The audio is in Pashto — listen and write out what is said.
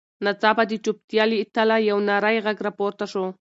ناڅاپه د چوپتیا له تله یو نرۍ غږ راپورته شو.